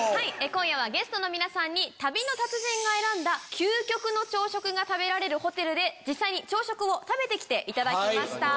今夜はゲストの皆さんに旅の達人が選んだ究極の朝食が食べられるホテルで実際に朝食を食べて来ていただきました。